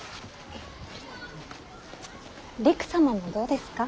りく様もどうですか。